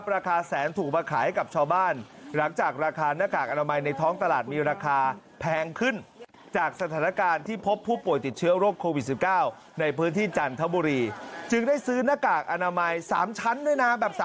แล้วก็ราคาแพงอีกครั้งในช่วงเวลานี้